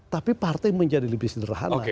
tapi partai menjadi lebih sederhana